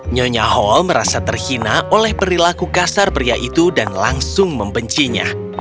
nyonya hall merasa terhina oleh perilaku kasar pria itu dan langsung membencinya